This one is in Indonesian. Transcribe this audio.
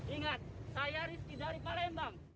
ingat saya rizky dari palembang